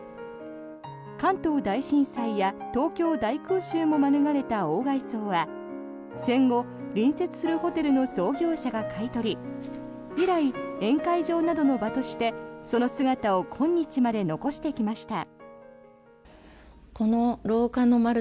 関東大震災や東京大空襲も免れた鴎外荘は戦後、隣接するホテルの創業者が買い取り以来、宴会場などの場としてその姿を今日まで残してきました。